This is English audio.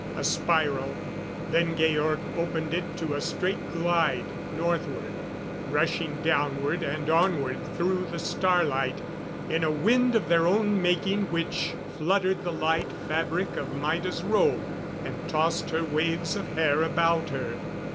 A spiral, then Georg opened it to a straight glide northward rushing downward and onward through the starlight, in a wind of their own making which fluttered the light fabric of Maida's robe and tossed her waves of hair about her.